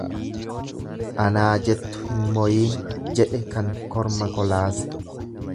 Anaa jettu hin moyiin jedhe kan korma kolaase.